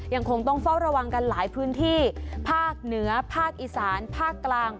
ยังคงต้องเฝ้าระวังกันหลายพื้นที่ภาคเหนือภาคอีสานภาคกลาง